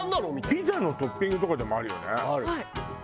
ピザのトッピングとかでもあるよね。